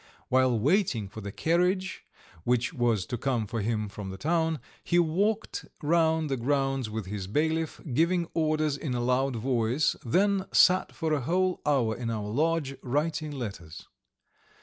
While waiting for the carriage, which was to come for him from the town, he walked round the grounds with his bailiff, giving orders in a loud voice, then sat for a whole hour in our lodge, writing letters.